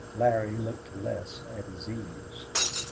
Larry looked less at his ease.